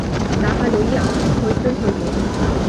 তাহা লইয়া অনেক হৈ চৈ হইল।